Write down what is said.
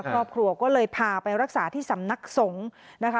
ครอบครัวก็เลยพาไปรักษาที่สำนักสงฆ์นะคะ